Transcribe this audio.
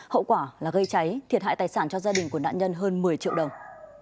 hậu quả là gây cháy thiệt hại tài sản cho gia đình của nạn nhân hơn một mươi triệu đồng